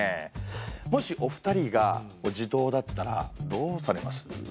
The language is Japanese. もしお二人が地頭だったらどうされます？